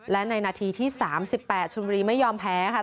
และในนาทีที่๓๘ชนบุรีไม่ยอมแพ้ค่ะ